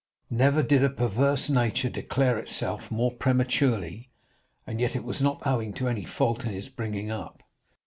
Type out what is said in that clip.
Never did a perverse nature declare itself more prematurely, and yet it was not owing to any fault in his bringing up.